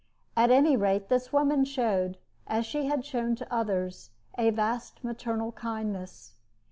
At any rate, this woman showed, as she had shown to others, a vast maternal kindness.